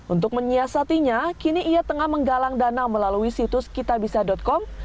untuk menyiasatinya kini ia tengah menggalang dana melalui situs kitabisa com